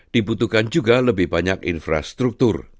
dibutuhkan juga lebih banyak infrastruktur